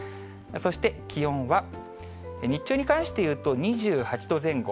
そして気温は、日中に関していうと、２８度前後。